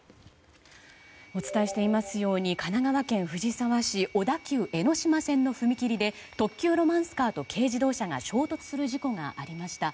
お伝えしていますように神奈川県藤沢市小田急江ノ島線の踏切で特急ロマンスカーと軽自動車が衝突する事故がありました。